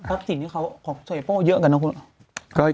อันนี้ของเสียโป้เยอะกันนะครับ